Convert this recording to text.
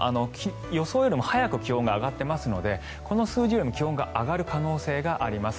予想よりも早く気温が上がっていますのでこの数字よりも気温が上がる可能性があります。